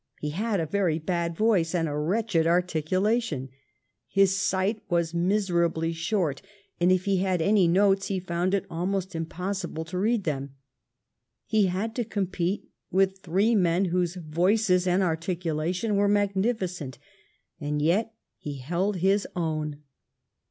He had a very bad voice and a wretched articulation ; his sight was miserably short, and if he had any notes he found it almost impossible to read them ; he had to compete with three men whose voices and articu lation were magnificent ; and yet he held his own.